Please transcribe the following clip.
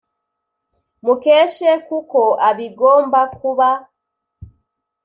mukeshe kuko abigomba kuba